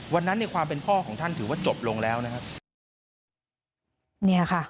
วันนั้นความเป็นพ่อของท่านถือว่าจบลงแล้วนะครับ